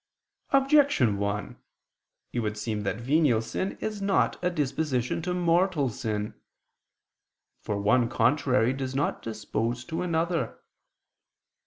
Objection 1: It would seem that venial sin is not a disposition to mortal sin. For one contrary does not dispose to another.